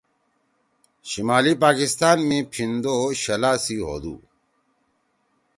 شمالی پاکستان می پِھندو شَلا سی ہودُو۔